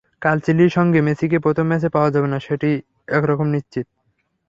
কাল চিলির সঙ্গে মেসিকে প্রথম ম্যাচে পাওয়া যাবে না—সেটি একরকম নিশ্চিতই।